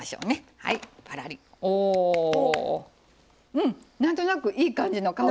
うんなんとなくいい感じの香りが。